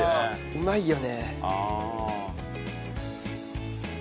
うまいよね。